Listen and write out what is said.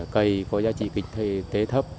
cây có giá trị kinh tế thấp